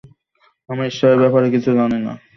আমি ঈশ্বরের ব্যাপারে কিছু জানি না।